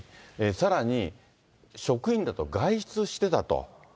さらに、署員らと外出してたと。